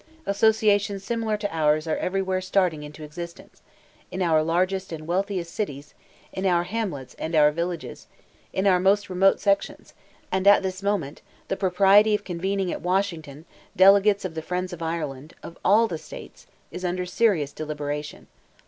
Associations similar to ours are everywhere starting into existence—in our largest and wealthiest cities—in our hamlets and our villages—in our most remote sections; and at this moment, the propriety of convening, at Washington, delegates of the friends of Ireland, of all the states, is under serious deliberation.